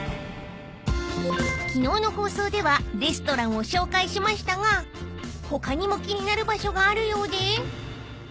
［昨日の放送ではレストランを紹介しましたが他にも気になる場所があるようで］